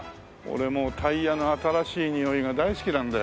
俺もうタイヤの新しいにおいが大好きなんだよ。